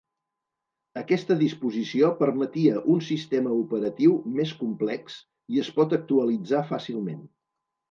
Aquesta disposició permetia un sistema operatiu més complex i es pot actualitzar fàcilment.